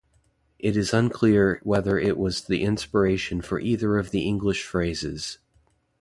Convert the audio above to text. It is unclear whether it was the inspiration for either of the English phrases.